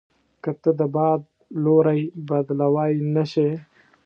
که ته د باد لوری بدلوای نه شې.